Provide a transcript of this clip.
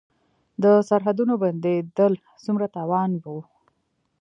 د سرحدونو بندیدل څومره تاوان و؟